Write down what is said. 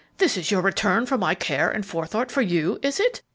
This is your return for my care and forethought for you, is it?